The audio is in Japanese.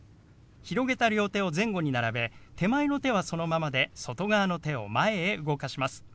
広げた両手を前後に並べ手前の手はそのままで外側の手を前へ動かします。